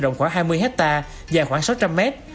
rộng khoảng hai mươi hectare dài khoảng sáu trăm linh mét